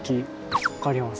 分かります？